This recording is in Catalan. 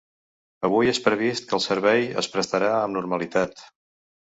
Avui és previst que el servei es prestarà amb normalitat.